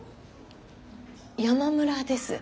山村です